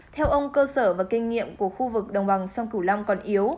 theo ông cơ sở và kinh nghiệm của khu vực đồng bằng sông cửu long còn yếu